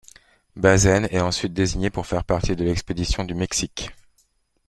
Bazaine est ensuite désigné pour faire partie de l'Expédition du Mexique.